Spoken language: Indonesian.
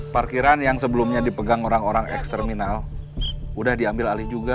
parkiran yang sebelumnya dipegang orang orang eksterminal sudah diambil alih juga